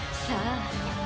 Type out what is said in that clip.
さあ？